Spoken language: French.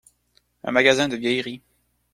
Un magasin de vieilleries.